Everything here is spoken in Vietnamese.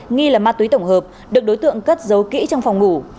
nghi là ma túy tổng hợp được đối tượng cất giấu kỹ trong phòng ngủ